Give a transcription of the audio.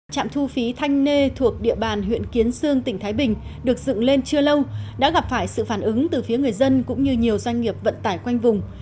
trạm thu phí thanh nê thuộc địa bàn huyện kiến sương tỉnh thái bình được dựng lên chưa lâu đã gặp phải sự phản ứng từ phía người dân cũng như nhiều doanh nghiệp vận tải quanh vùng